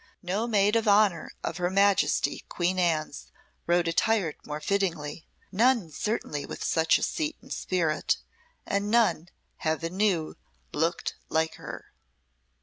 No maid of honour of her Majesty Queen Anne's rode attired more fittingly, none certainly with such a seat and spirit, and none, Heaven knew, looked like her.